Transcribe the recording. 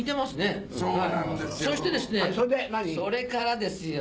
そしてですねそれからですよ。